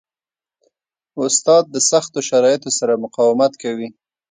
استاد د سختو شرایطو سره مقاومت کوي.